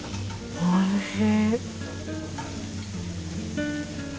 おいしい？